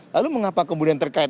lalu mengapa kemudian terkait